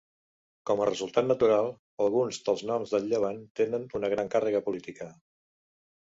Com a resultat natural, alguns dels noms del Llevant tenen una gran càrrega política.